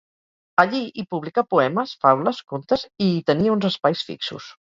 Allí hi publicà poemes, faules, contes i hi tenia uns espais fixos.